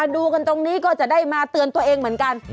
ดูกันตรงนี้ก็จะได้มาเตือนตัวเองเหมือนกัน